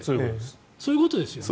そういうことですよね。